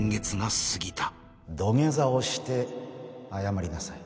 土下座をして謝りなさい。